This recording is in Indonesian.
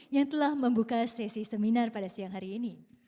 yang telah membuka sesi seminar pada siang hari ini